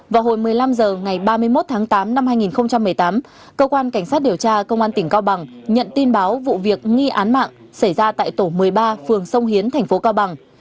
vào hồi một mươi năm h ngày ba mươi một tháng tám năm hai nghìn một mươi tám cơ quan cảnh sát điều tra công an tỉnh cao bằng nhận tin báo vụ việc nghi án mạng xảy ra tại tổ một mươi ba phường sông hiến thành phố cao bằng